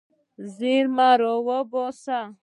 زیرمې راوباسئ.